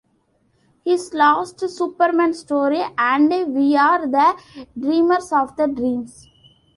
His last Superman story, ...And We Are the Dreamers of the Dreams!